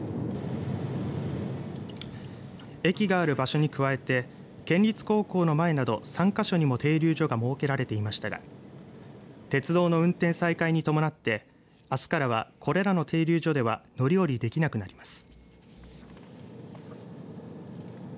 駅がある場所に加えて県立高校の前など３か所にも停留所が設けられていましたが鉄道の運転再開に伴ってあすからは、これらの停留所では乗り降りできなくなります。